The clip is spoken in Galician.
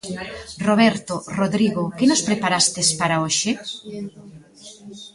Roberto, Rodrigo, que nos preparastes para hoxe?